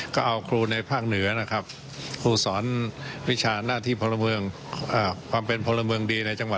ก็เอาครูในภาคเหนือนะครับ